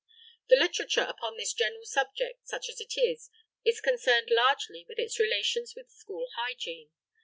The literature upon this general subject, such as it is, is concerned largely with its relations with school hygiene.